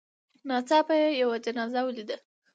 ناڅاپه یې یوه جنازه ولیده.